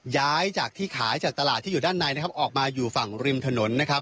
ย้ายจากที่ขายจากตลาดที่อยู่ด้านในนะครับออกมาอยู่ฝั่งริมถนนนะครับ